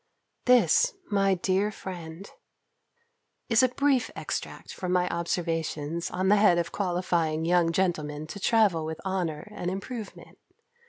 This, my dear friend, is a brief extract from my observations on the head of qualifying young gentlemen to travel with honour and improvement.